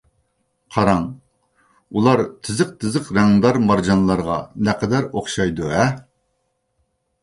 قاراڭ، ئۇلار تىزىق-تىزىق رەڭدار مارجانلارغا نەقەدەر ئوخشايدۇ-ھە!